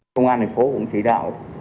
công an thành phố cũng chỉ đạo